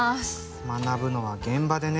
学ぶのは現場でね。